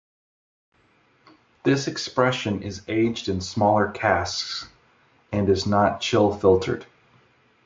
This expression is aged in smaller casks and is not chill filtered.